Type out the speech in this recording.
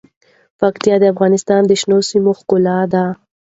پکتیا د افغانستان د شنو سیمو ښکلا ده.